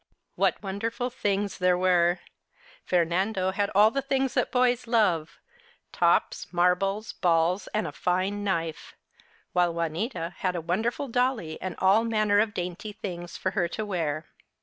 What wonderful things there 58 Our Little Spanish Cousin were ! Fernando had all the things that boys love, — tops, marbles, balls, and a fine knife ; while Juanita had a wonderful dolly and all manner of dainty things for her to wear.